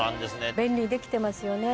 便利にできてますよね。